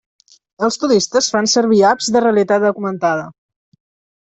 Els turistes fan servir apps de realitat augmentada.